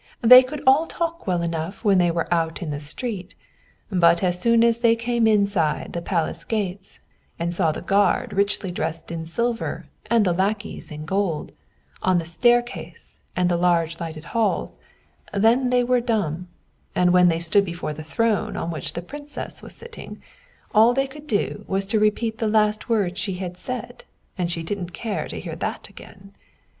They could all talk well enough when they were out in the street; but as soon as they came inside the palace gates, and saw the guard richly dressed in silver, and the lackeys in gold, on the staircase, and the large lighted halls, then they were dumb; and when they stood before the throne on which the Princess was sitting, all they could do was to repeat the last word she had said, and she didn't care to hear that again.